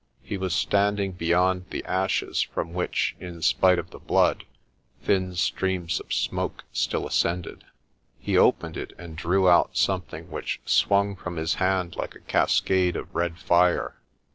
He was standing beyond the ashes from which, in spite of the blood, thin streams of smoke still ascended. He opened it and drew out something which swung from his hand like a cascade of red fire.